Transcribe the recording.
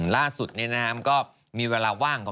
ล่าสุดเนี่ยนะครับก็มีเวลาว่างก่อน